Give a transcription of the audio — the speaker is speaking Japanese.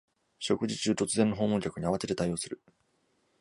食事中、突然の訪問客に慌てて対応する